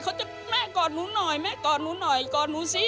แม่กอดหนูหน่อยแม่กอดหนูหน่อยกอดหนูสิ